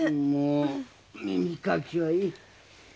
もう耳かきはいい。